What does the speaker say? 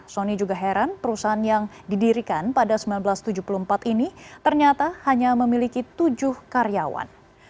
sony juga heran perusahaan yang didirikan pada seribu sembilan ratus tujuh puluh empat ini ternyata hanya memiliki tujuh karyawan